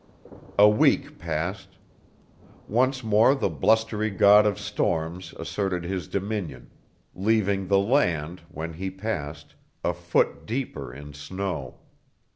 A week passed. Once more the blustery god of storms asserted his dominion, leaving the land, when he passed, a foot deeper in snow.